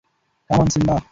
Come on, Simba!